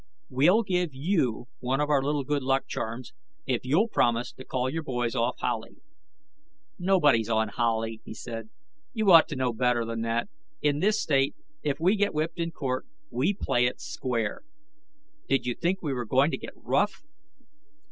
We'll give you one of our little good luck charms, if you'll promise to call your boys off Howley." "Nobody's on Howley," he said. "You ought to know better than that. In this state, if we get whipped in court, we play it square. Did you think we were going to get rough?"